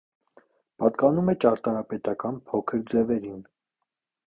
Պատկանում է ճարտարապետական փոքր ձևերին։